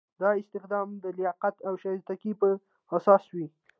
دا استخدام د لیاقت او شایستګۍ په اساس وي.